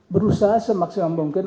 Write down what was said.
berusaha semaksimum mungkin